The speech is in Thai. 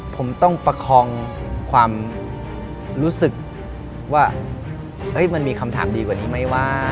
ผมต้องประคองความรู้สึกว่ามันมีคำถามดีกว่านี้ไหมวะ